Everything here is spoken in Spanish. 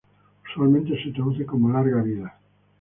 Usualmente se traduce como "¡Larga Vida!